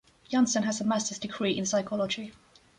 Jansen has a master's degree in psychology.